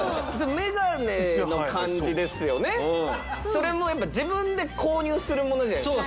それもやっぱ自分で購入するものじゃないですか。